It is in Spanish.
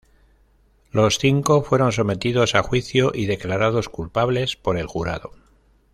Los cinco fueron sometidos a juicio y declarados culpables por el jurado.